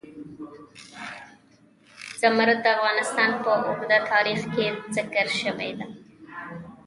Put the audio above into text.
زمرد د افغانستان په اوږده تاریخ کې ذکر شوی دی.